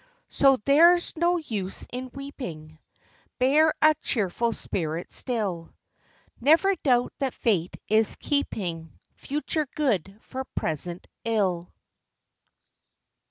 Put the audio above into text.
So there's no use in weeping, Bear a cheerful spirit still; Never doubt that Fate is keeping Future good for present ill.